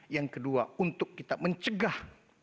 yang kedua untuk kita mencegah